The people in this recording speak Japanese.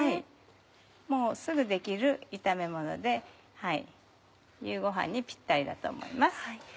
もうすぐできる炒めもので夕ごはんにぴったりだと思います。